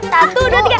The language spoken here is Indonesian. satu dua tiga